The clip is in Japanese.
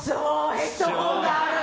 ヘッドホンがある。